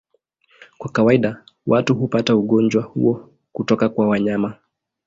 Kwa kawaida watu hupata ugonjwa huo kutoka kwa wanyama.